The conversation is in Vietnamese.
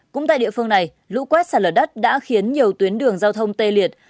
cũng tại địa phương này lũ quét sạt lở đất đã khiến nhiều tuyến đường giao thông tê liệt